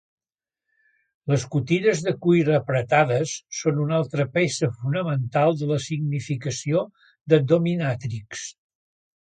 Les cotilles de cuir apretades són una altra peça fonamental de la significació de dominatrix.